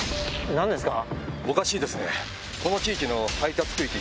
何ですか？